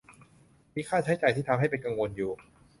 มีค่าใช้จ่ายที่ทำให้เป็นกังวลอยู่